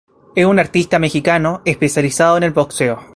Es un deportista mexicano, especializado en el boxeo.